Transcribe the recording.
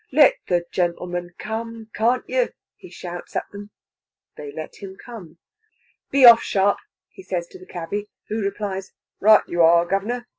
"Let the gentleman come, can't you!" he shouts at them. They let him come. "Be off sharp!" he says to the cabby, who replies, "Right you are, governor!"